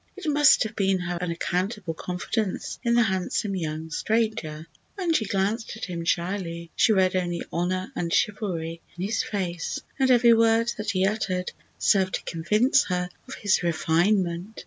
It must have been her unaccountable confidence in the handsome young stranger. When she glanced at him shyly she read only honor and chivalry in his face, and every word that he uttered served to convince her of his refinement.